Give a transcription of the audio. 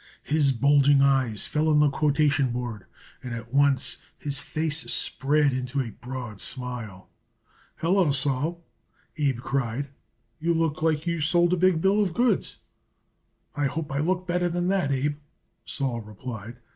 His bulging eyes fell on the quotation board, and at once his face spread into a broad smile. "Hello, Sol!" Abe cried. "You look like you sold a big bill of goods." "I hope I look better than that, Abe," Sol replied.